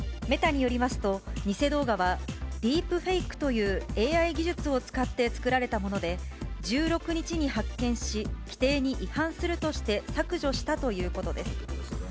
メタによりますと、偽動画は、ディープフェイクというＡＩ技術を使って作られたもので、１６日に発見し、規定に違反するとして削除したということです。